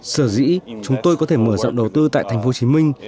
sở dĩ chúng tôi có thể mở rộng đầu tư tại thành phố hồ chí minh